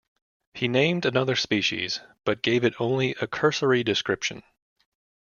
He named another species, but gave it only a cursory description.